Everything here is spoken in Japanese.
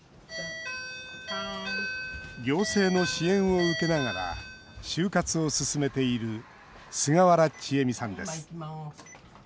行政の支援を受けながら終活を進めている菅原智恵美さんです。